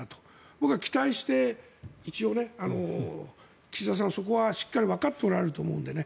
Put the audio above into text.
僕は期待して一応、岸田さんそこはしっかりわかっておられると思うのでね。